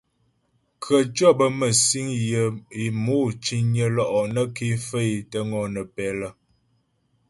Khətʉɔ̌ bə mə́sîŋ yə é mò ciŋnyə lo'o nə́ ké faə́ é tə́ ŋɔnə́pɛ lə.